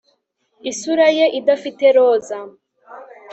isura ye idafite roza